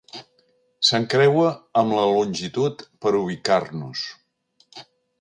S'encreua amb la longitud per ubicar-nos.